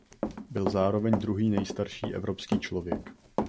Byla zároveň druhý nejstarší evropský člověk.